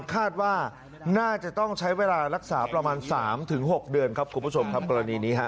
คาดว่าน่าจะต้องใช้เวลารักษาประมาณ๓๖เดือนครับคุณผู้ชมครับกรณีนี้ฮะ